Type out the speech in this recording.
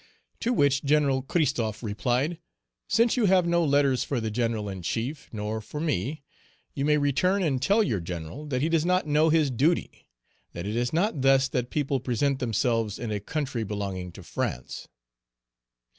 To which Gen. Christophe replied, "Since you have no letters for the General in chief nor for me, you may return and tell your general that he does not know his duty; that it is not thus that people present themselves in a country belonging to France."